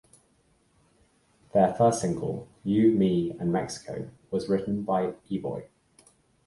Their first single, "You, Me And Mexico", was written by Evoy.